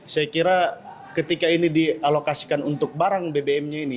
saya kira ketika ini dialokasikan untuk barang bbmnya ini